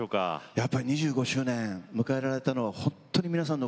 やっぱり２５周年迎えられたのは本当に皆さんのおかげですね。